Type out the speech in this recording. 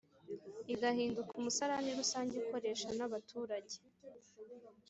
igahinduka umusarani rusange ukoresha nabaturage